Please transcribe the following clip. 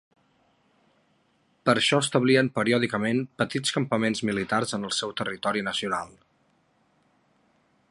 Per això establien periòdicament petits campaments militars en el seu territori nacional.